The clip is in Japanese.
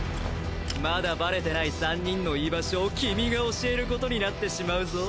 まだバレてない３人の居場所を君が教える事になってしまうぞ？